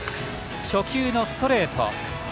初球のストレート。